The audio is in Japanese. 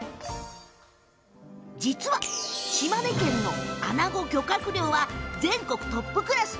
実は、島根県のあなご漁獲量は全国トップクラス。